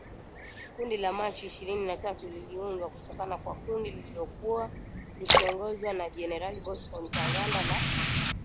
Kundi la Machi ishirini na tatu liliundwa kutoka kwa kundi lililokuwa likiongozwa na Jenerali Bosco Ntaganda la